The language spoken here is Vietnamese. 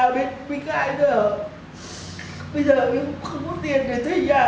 bây giờ tôi không có tiền để thuê nhà